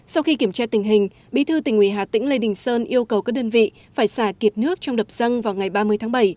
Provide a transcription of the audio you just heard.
sau khi kiểm tra tình hình bí thư tỉnh ủy hà tĩnh lê đình sơn yêu cầu các đơn vị phải xả kiệt nước trong đập dân vào ngày ba mươi tháng bảy